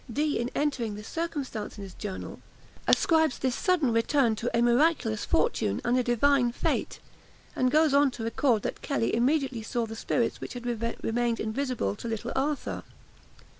Dee, in entering this circumstance in his journal, ascribes this sudden return to a "miraculous fortune" and a "divine fate;" and goes on to record that Kelly immediately saw the spirits which had remained invisible to little Arthur.